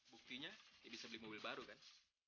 buktinya ya bisa beli mobil baru kan